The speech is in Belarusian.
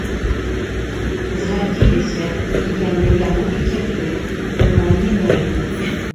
Згадзіліся яны яму і цяпер, у ранняй дарозе.